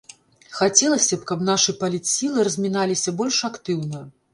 Хацелася б, каб нашы палітсілы разміналіся больш актыўна.